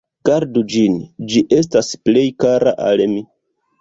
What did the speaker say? Gardu ĝin, ĝi estas plej kara al mi!